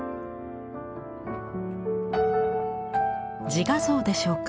自画像でしょうか。